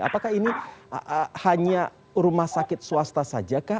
apakah ini hanya rumah sakit swasta saja kah